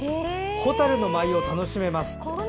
ホタルの舞を楽しめます。